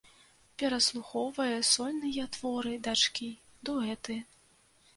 Пераслухоўвае сольныя творы дачкі, дуэты.